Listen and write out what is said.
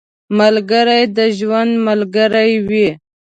ملګری د ژوند ملګری وي